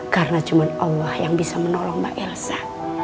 karena cuma allah yang bisa menolong mbak yasa